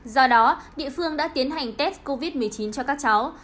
do đó địa phương đã tiến hành test covid một mươi chín cho các cháu